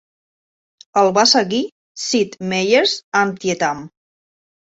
El va seguir Sid Meier's Antietam!